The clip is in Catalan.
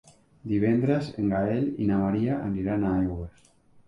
Divendres en Gaël i na Maria aniran a Aigües.